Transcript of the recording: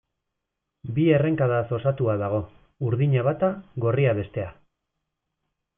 Bi errenkadaz osatua dago: urdina bata, gorria bestea.